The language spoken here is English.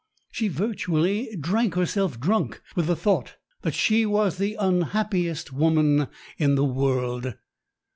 She virtually drank herself drunk with the thought that she was the unhappiest woman in the world.